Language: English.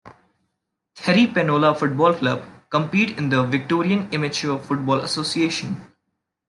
Therry Penola Football Club compete in the Victorian Amateur Football Association.